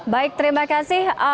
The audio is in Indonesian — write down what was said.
baik terima kasih